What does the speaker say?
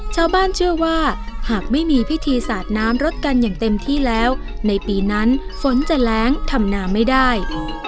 ชาวบ้านเชื่อว่าหากไม่มีพิธีสาดน้ำรถกันอย่างเต็มที่แล้วในปีนั้นฝนจะแรงทำนาไม่ได้